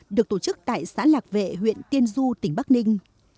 được tổ chức tại xã lạc vệ huyện tiên du tỉnh bắc ninh